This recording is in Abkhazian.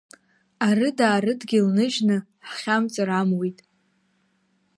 Арыдаа рыдгьыл ныжьны ҳхьамҵыр амуит!